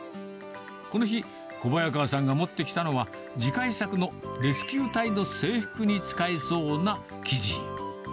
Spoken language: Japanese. この日、小早川さんが持ってきたのは、次回作のレスキュー隊の制服に使えそうな生地。